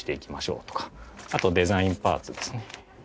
あとデザインパーツですね。